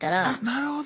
なるほど。